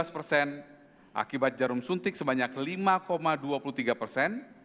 tujuh belas persen akibat jarum suntik sebanyak lima dua puluh tiga persen